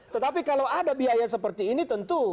tetapi kalau ada biaya seperti ini tentu